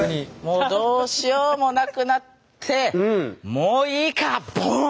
もうどうしようもなくなってもういいかお！